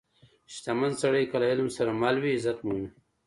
• شتمن سړی که له علم سره مل وي، عزت مومي.